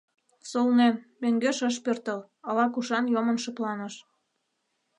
Солнен, мӧҥгеш ыш пӧртыл, ала-кушан йомын шыпланыш.